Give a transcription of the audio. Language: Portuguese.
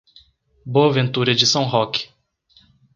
Boa Ventura de São Roque